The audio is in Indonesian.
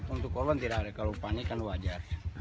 untuk korban tidak ada kalau panik kan wajar